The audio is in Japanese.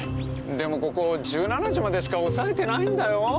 でもここ１７時までしか押さえてないんだよ。